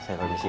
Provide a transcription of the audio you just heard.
saya permisi ya